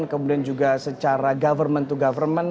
kemudian juga secara government to government